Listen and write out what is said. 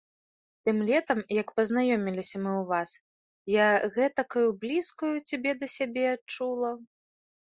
Тым летам, як пазнаёміліся мы ў вас, я гэтакаю блізкаю цябе да сябе адчула.